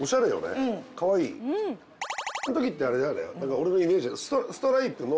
・俺のイメージだとストライプの。